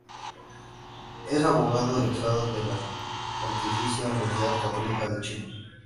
Es abogado egresado de la Pontificia Universidad Católica de Chile.